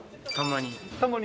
たまに。